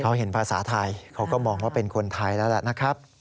เขาเห็นภาษาไทยเขาก็มองว่าเป็นคนไทยแล้วแหละนะครับ